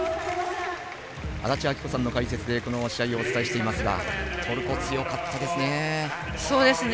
安達阿記子さんの解説でこの試合をお伝えしていますがトルコ、強かったですね。